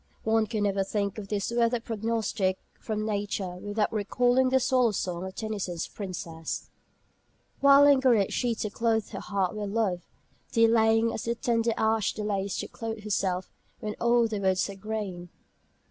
One can never think of this weather prognostic from nature without recalling the Swallow Song of Tennyson's "Princess": "Why lingereth she to clothe her heart with love, Delaying, as the tender ash delays To clothe herself, when all the woods are green?"